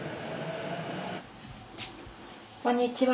こんにちは。